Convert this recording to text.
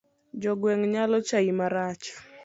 Jo gweng' nyalo chai marach.